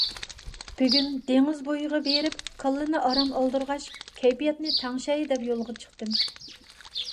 بۈگۈن دېڭىز بويىغا بېرىپ كاللىنى ئارام ئالدۇرغاچ كەيپىياتنى تەڭشەي دەپ يولغا چىقتىم.